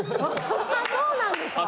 そうなんですか？